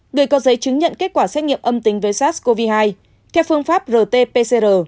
người có giấy chứng nhận kết quả xét nghiệm âm tính với sars cov hai theo phương pháp rt pcr